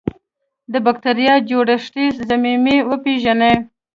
د بکټریا جوړښتي ضمیمې وپیژني.